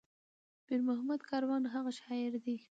پير محمد کاروان هغه شاعر دى